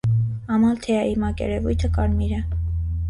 Ամալթեայի մակերևույթը կարմիր է։